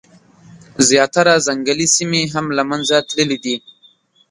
زیاتره ځنګلي سیمي هم له منځه تللي دي.